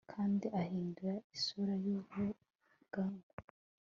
kandi ahindura isura y'urugamba